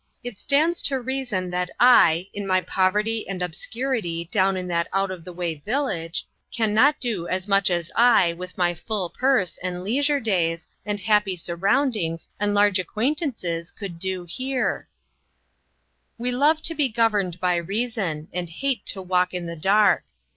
It stands to reason that I, in my poverty and obscurity, down in that out of the way village, can not do as much as I, with my full purse, and leisure days, and happy sur roundings, and large acquaintances could do here." 84 INTERRUPTED. We love to be governed by reason, and hate to walk in the dark.